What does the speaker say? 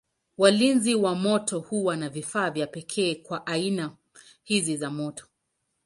Walinzi wa moto huwa na vifaa vya pekee kwa aina hizi za moto.